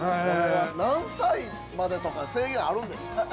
◆何歳までとか制限あるんですか。